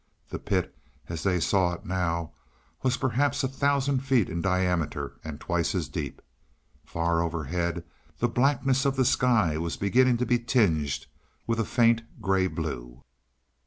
The pit as they saw it now was perhaps a thousand feet in diameter and twice as deep. Far overhead the blackness of the sky was beginning to be tinged with a faint gray blue.